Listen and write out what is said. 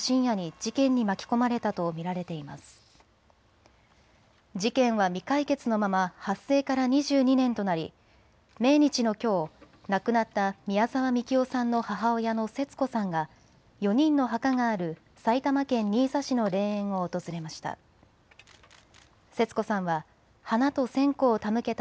事件は未解決のまま発生から２２年となり命日のきょう、亡くなった宮沢みきおさんの母親の節子さんが４人の墓がある埼玉県新座市の霊園を訪れました。